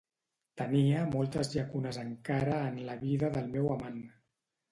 Tenia moltes llacunes encara en la vida del meu amant.